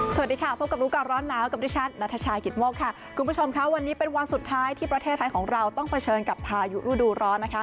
สวัสดีค่ะพบกับลูกการณ์ร้อนน้าวันนี้เป็นวันสุดท้ายที่ประเทศไทยของเราต้องเผชิญกับพายุรูดูร้อน